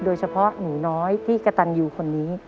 โดยเฉพาะหนูน้อยที่กระตันอยู่คนนี้